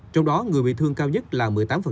trong đó người bị thương cao nhất là một mươi tám